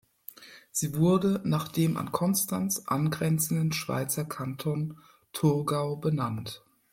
Sie wurde nach dem an Konstanz angrenzenden Schweizer Kanton Thurgau benannt.